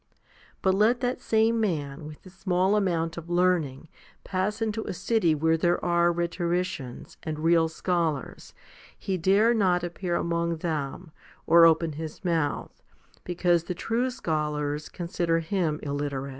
But let that same man with his small amount of learning pass into a city where there are rhetoricians and real scholars ; he dare not appear among them, or open his mouth, because the true scholars consider him illiterate.